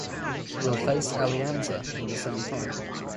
Will face Alianza in the semifinal.